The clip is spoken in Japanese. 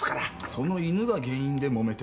その犬が原因でもめてる。